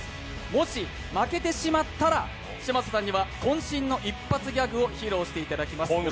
もし負けてしまったら嶋佐さんにはこん身の一発ギャグを披露していただきます。